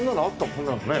こんなのね。